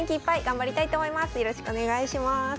よろしくお願いします。